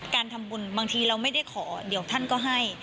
การทำบุญบางทีเราไม่ได้ขอเดี๋ยวท่านก็ให้